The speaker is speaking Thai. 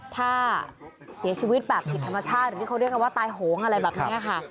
ถ้าเสียชีวิตแบบผิดธรรมชาติหรือที่เขาเรียกกันว่าตายโหงอะไรแบบนี้ค่ะ